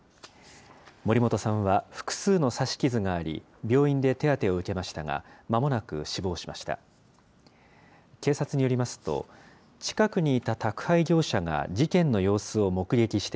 森本さんは複数の刺し傷があり、病院で手当てを受けましたが、まもなく死亡しました。